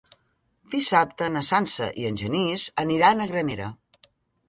Dissabte na Sança i en Genís aniran a Granera.